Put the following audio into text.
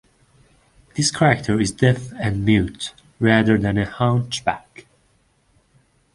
This character is deaf and mute, rather than a hunchback.